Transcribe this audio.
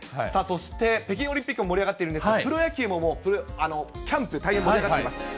そして北京オリンピックも盛り上がってるんですが、プロ野球ももうキャンプ大変、盛り上がっています。